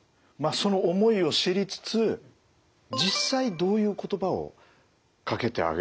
その思いを知りつつ実際どういう言葉をかけてあげられるといいんですかね？